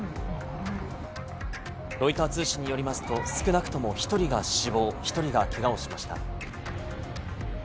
ロイター通信によりますと少なくとも１人が死亡、１人がけがをしました。